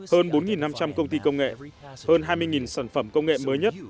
hơn bốn năm trăm linh công ty công nghệ hơn hai mươi sản phẩm công nghệ mới nhất